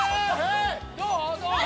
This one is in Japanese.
どう？